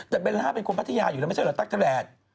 แต่เบลล่าเป็นคนพัทยาอยู่แล้วไม่ใช่เหรอตั้งขนาด